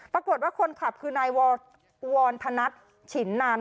ปรากฏว่าคนขับคือนายวรธนัดฉินนาน